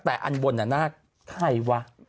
แต่อันบนน่ะใครวะ